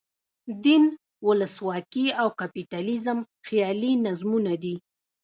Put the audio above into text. دین، ولسواکي او کپیټالیزم خیالي نظمونه دي.